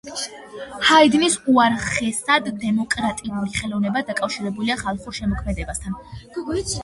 ჰაიდნის უაღრესად დემოკრატიული ხელოვნება დაკავშირებულია ხალხურ შემოქმედებასთან.